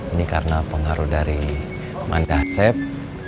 ini karena pengaruh dari mandah sepp